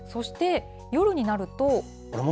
夜になると。